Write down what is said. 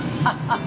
あっ。